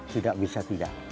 tidak bisa tidak